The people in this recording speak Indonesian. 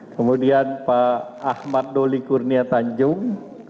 kemudian pak ahmad doli kurnia tanjung